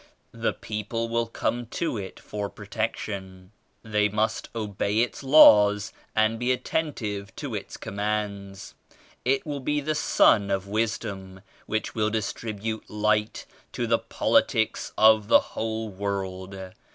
The people will come to it for protection. They must obey its laws and be attentive to its commands. It will be the Sun of Wisdom which will distribute Light to the politics of the whole world.